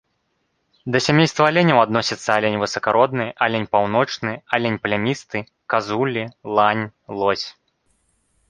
Да сямейства аленяў адносяцца алень высакародны, алень паўночны, алень плямісты, казулі, лань, лось.